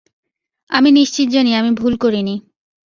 আমি নিশ্চিত জানি আমি ভুল করি নি।